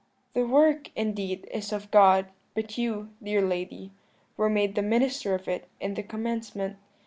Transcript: "'The work, indeed, is of God; but you, dear lady, were made the minister of it in the commencement.